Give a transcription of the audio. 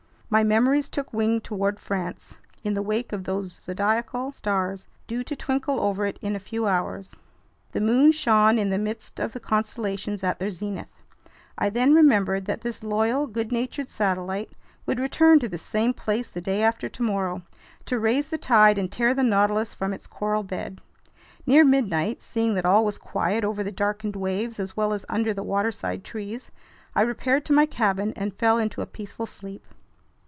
My memories took wing toward France, in the wake of those zodiacal stars due to twinkle over it in a few hours. The moon shone in the midst of the constellations at their zenith. I then remembered that this loyal, good natured satellite would return to this same place the day after tomorrow, to raise the tide and tear the Nautilus from its coral bed. Near midnight, seeing that all was quiet over the darkened waves as well as under the waterside trees, I repaired to my cabin and fell into a peaceful sleep.